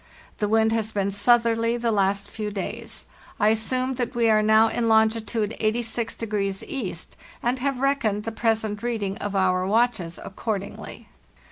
The wind has been southerly the last few days. I assume that we are now in longitude 86° E., and have reckoned the present reading of our watches accordingly.